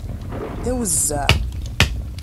D awezzeɛ.